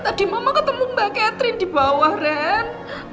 tadi mama ketemu mbak catherine di bawah ren